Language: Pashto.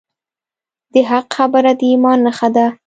د حق خبره د ایمان نښه ده.